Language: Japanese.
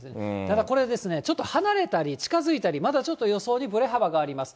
だからこれですね、ちょっと離れたり、近づいたり、またちょっと予想にぶれ幅があります。